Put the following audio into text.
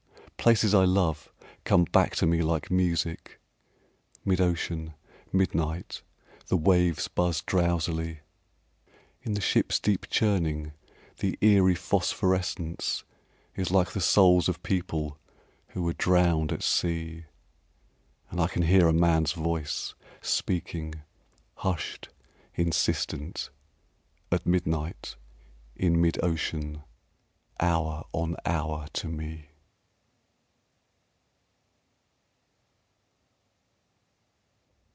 Places I love come back to me like music Mid ocean, midnight, the waves buzz drowsily; In the ship's deep churning the eerie phosphorescence Is like the souls of people who were drowned at sea, And I can hear a man's voice, speaking, hushed, insistent, At midnight, in mid ocean, hour on hour to me.